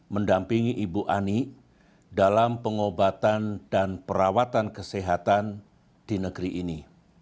mendampingi ibu ani dalam pengobatan dan perawatan kesehatan di negeri ini